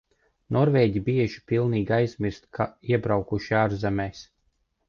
Norvēģi bieži pilnīgi aizmirst, ka iebraukuši ārzemēs.